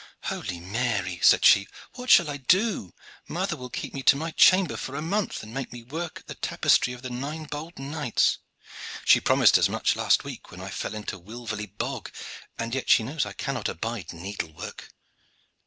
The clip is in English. "Holy Mary!" said she, "what shall I do? Mother will keep me to my chamber for a month, and make me work at the tapestry of the nine bold knights. She promised as much last week, when I fell into Wilverley bog, and yet she knows that I cannot abide needle work."